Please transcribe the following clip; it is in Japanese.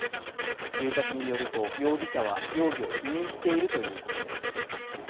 警察によると、容疑者は容疑を否認しているということです。